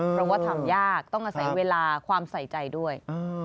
เพราะว่าทำยากต้องอาศัยเวลาความใส่ใจด้วย